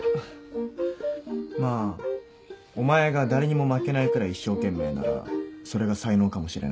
まあお前が誰にも負けないくらい一生懸命ならそれが才能かもしれないな。